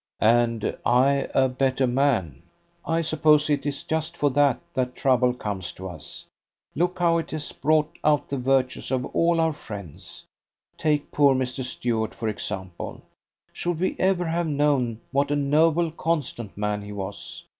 "And I a better man. I suppose it is just for that that trouble comes to us. Look how it has brought out the virtues of all our friends. Take poor Mr. Stuart, for example. Should we ever have known what a noble, constant man he was?